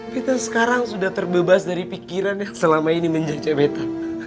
kita sekarang sudah terbebas dari pikiran yang selama ini menjajah beta